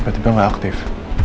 kita berdua aktif